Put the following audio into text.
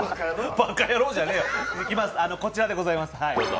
いきます、こちらでございます。